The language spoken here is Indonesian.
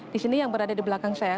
di sini yang berada di belakang saya